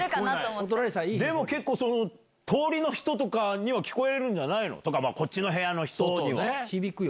でも結構、通りの人とかには聞こえるんじゃないの？とかまあ、こっちの部屋の人には。響くよ。